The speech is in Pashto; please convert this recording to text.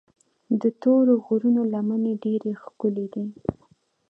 د تورو غرونو لمنې ډېرې ښکلي دي.